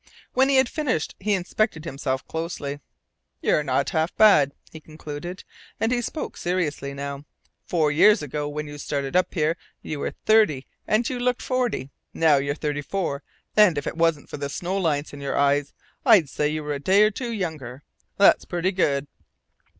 When he had finished he inspected himself closely. "You're not half bad," he concluded, and he spoke seriously now. "Four years ago when you started up here you were thirty and you looked forty. Now you're thirty four, and if it wasn't for the snow lines in your eyes I'd say you were a day or two younger. That's pretty good."